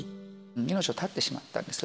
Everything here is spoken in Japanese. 命を絶ってしまったんですよ。